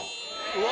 うわ！